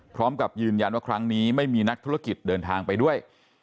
พร้อมกับยืนยันว่าครั้งนี้ไม่มีนักธุรกิจเดินทางไปด้วย